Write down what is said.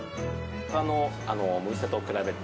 他のお店と比べて。